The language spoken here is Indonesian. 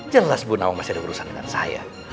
jelas bu nawang masih ada urusan dengan saya